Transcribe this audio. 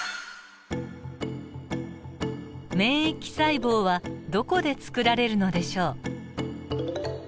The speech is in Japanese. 免疫細胞はどこでつくられるのでしょう？